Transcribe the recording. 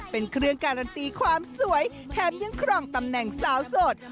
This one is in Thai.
เป็นเครื่องการันตีความสวยแถมยังครองตำแหน่งสาวโสด